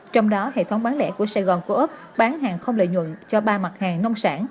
trong đó hệ thống bán lẻ của sài gòn co op bán hàng không lợi nhuận cho ba mặt hàng nông sản